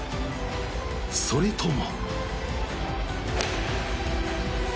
それとも。